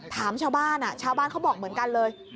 ถามชาวบ้านชาวบ้านเขาบอกเหมือนกันเลย